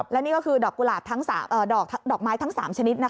และนี่ก็คือดอกไม้ทั้ง๓ชนิด